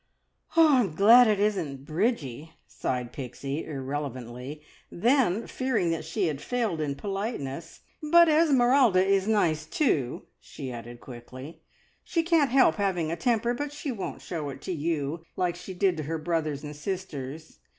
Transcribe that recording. "I'm glad it isn't Bridgie," sighed Pixie irrelevantly; then, fearing that she had failed in politeness, "But Esmeralda is nice too," she added quickly. "She can't help having a temper, but she won't show it to you, like she did to her brothers and sisters.